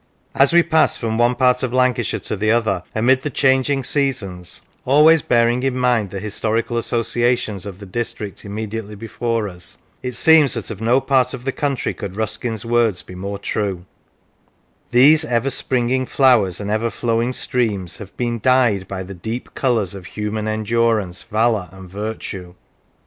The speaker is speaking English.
As we pass from one part of Lancashire 17 c Lancashire to the other, amid the changing seasons, always bearing in mind the historical associations of the district immediately before us, it seems that of no part of the country could Ruskin's words be more true: "these ever springing flowers and ever flowing streams have been dyed by the deep colours of human endurance, valour, and virtue."